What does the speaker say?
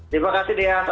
terima kasih dea